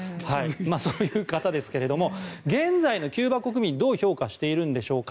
そういう方ですが現在のキューバ国民どう評価しているんでしょうか。